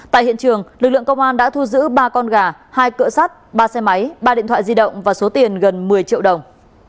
tại hiện trường lực lượng công an đã thu giữ ba con gà hai cỡ sát ba xe máy ba điện thoại di động và số tiền gần một mươi triệu đồng